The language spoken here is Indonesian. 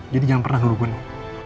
jadi jangan pernah nuruk gue nih